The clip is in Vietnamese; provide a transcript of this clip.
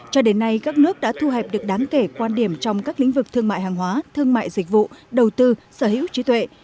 cho đến nay các nước đã thu hẹp được đáng kể quan điểm trong các lĩnh vực thương mại hàng hóa thương mại dịch vụ đầu tư sở hữu trí tuệ